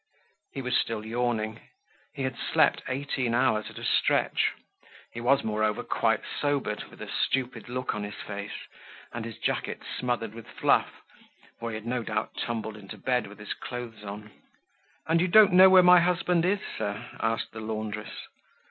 He was still yawning; he had slept eighteen hours at a stretch. He was, moreover, quite sobered, with a stupid look on his face, and his jacket smothered with fluff; for he had no doubt tumbled into bed with his clothes on. "And you don't know where my husband is, sir?" asked the laundress.